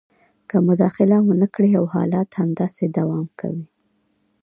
که مداخله ونه کړي او حالات همداسې دوام کوي